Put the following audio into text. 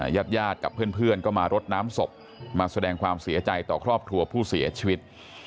ญาติญาติกับเพื่อนก็มารดน้ำศพมาแสดงความเสียใจต่อครอบครัวผู้เสียชีวิต